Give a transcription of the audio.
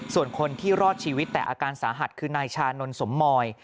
ส่วนคนที่รอดชีวิตแต่อาการสาหัสคือนายชานนท์สมมอย